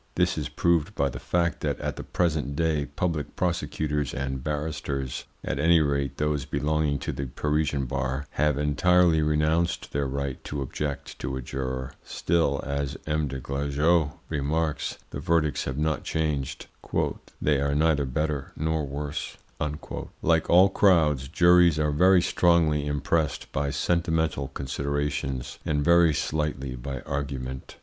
This is proved by the fact that at the present day public prosecutors and barristers, at any rate those belonging to the Parisian bar, have entirely renounced their right to object to a juror; still, as M. des Glajeux remarks, the verdicts have not changed, "they are neither better nor worse." Like all crowds, juries are very strongly impressed by sentimental considerations, and very slightly by argument.